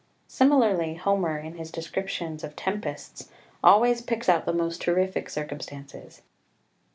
Similarly Homer in his descriptions of tempests always picks out the most terrific circumstances.